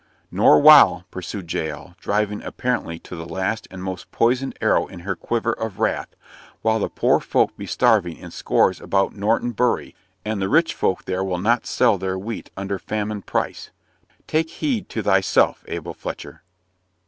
"Nor while" pursued Jael, driven apparently to the last and most poisoned arrow in her quiver of wrath "while the poor folk be starving in scores about Norton Bury, and the rich folk there will not sell their wheat under famine price. Take heed to thyself, Abel Fletcher."